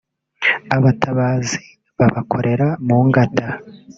abatabazi bakabakorera mu ngata